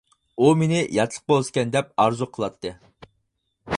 ئۇ مېنى ياتلىق بولسىكەن دەپ ئارزۇ قىلاتتى.